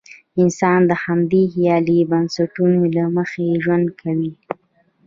انسان د همدې خیالي بنسټونو له مخې ژوند کوي.